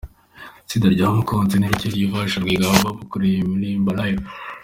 Itsinda rya Mukunzi ni ryo rizafasha Rwigamba mu kuririmba Live